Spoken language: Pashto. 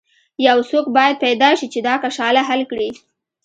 یو څوک باید پیدا شي چې دا کشاله حل کړي.